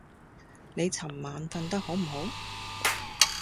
你尋晚訓得好唔好？